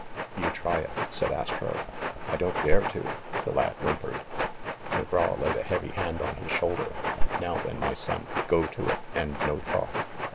"You try it," said Astro. "I don't dare to !" the lad whimpered. McGraw laid a heavy hand on his shoulder. "Now, then, my son, go to it, and no talk!"